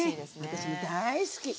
私も大好き！